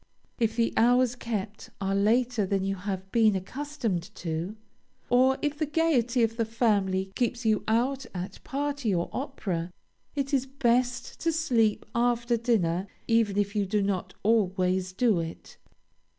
If the hours kept are later than you have been accustomed to, or if the gayety of the family keeps you out at party or opera, it is best to sleep after dinner, even if you do not always do it.